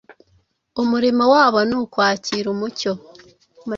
Umurimo wabo ni ukwakira umucyo